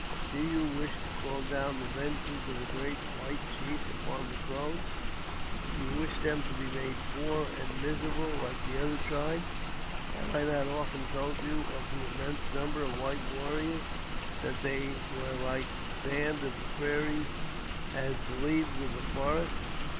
Do you wish to call down the vengeance of the great white chief upon the Crows ? Do you wish them to be made poor and miserable, like the other tribes ? Have I not often told you of the immense number of white warriors ; that they were like the sand of the prairie — as the leaves of the forest?"